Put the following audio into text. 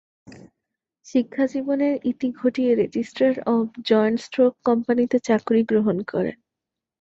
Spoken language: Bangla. শিক্ষাজীবনের ইতি ঘটিয়ে রেজিস্ট্রার অব জয়েন্ট স্টক কোম্পানিতে চাকুরি গ্রহণ করেন।